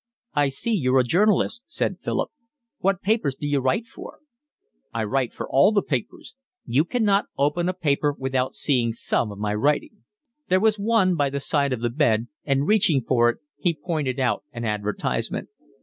"I see you're a journalist," said Philip. "What papers d'you write for?" "I write for all the papers. You cannot open a paper without seeing some of my writing." There was one by the side of the bed and reaching for it he pointed out an advertisement.